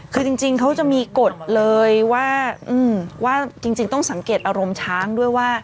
คือจริงเขาจะมีกฎเลยว่าจริงต้องสังเกตอารมณ์ช้างด้วยว่า